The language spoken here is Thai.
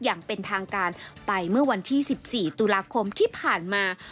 อย่างเป็นทางการไปเมื่อวันที่๑๔ตุลาคมที่ผ่านมา